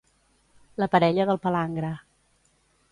La parella del palangre.